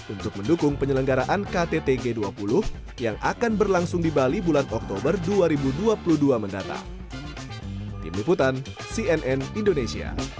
untuk mendukung penyelenggaraan ktt g dua puluh yang akan berlangsung di bali bulan oktober dua ribu dua puluh dua mendatang